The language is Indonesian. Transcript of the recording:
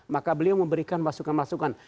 maka beliau memberikan masukan masukan